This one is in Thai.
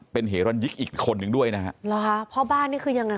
เป็นเหรนยิกอีกคนนึงด้วยนะฮะหรอคะพ่อบ้านนี่คือยังไง